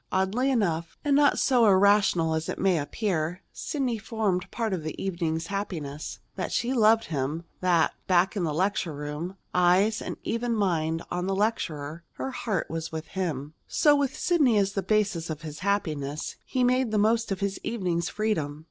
Oddly enough, and not so irrational as may appear, Sidney formed a part of the evening's happiness that she loved him; that, back in the lecture room, eyes and even mind on the lecturer, her heart was with him. So, with Sidney the basis of his happiness, he made the most of his evening's freedom.